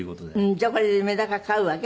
じゃあこれでメダカ飼うわけ？